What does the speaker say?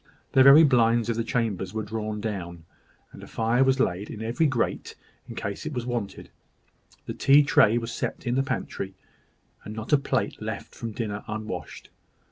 The very blinds of the chambers were drawn down, and a fire was laid in every grate, in case of its being wanted. The tea tray was set in the pantry, and not a plate left from dinner unwashed.